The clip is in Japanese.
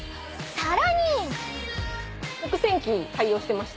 ［さらに］